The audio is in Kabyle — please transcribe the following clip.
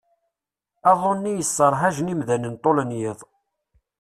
Aḍu-nni yesserhajen imdaden ṭul n yiḍ.